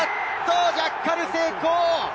ジャッカル成功！